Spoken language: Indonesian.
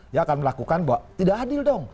dia akan melakukan bahwa tidak adil dong